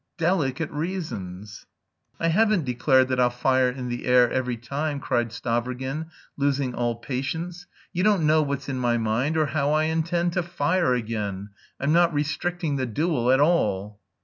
delicate reasons." "I haven't declared that I'll fire in the air every time," cried Stavrogin, losing all patience. "You don't know what's in my mind or how I intend to fire again.... I'm not restricting the duel at all."